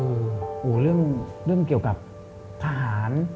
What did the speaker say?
โอ้โหเรื่องเกี่ยวกับทหาร